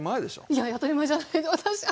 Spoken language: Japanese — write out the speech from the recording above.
いやいや当たり前じゃない私の。